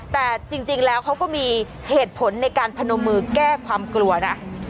แต่จริงแล้วเขาก็มีเหตุผลในการพนมมือแก้ความกลัวนะ